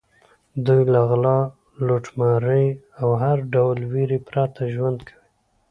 دوی له غلا، لوټمارۍ او هر ډول وېرې پرته ژوند کوي.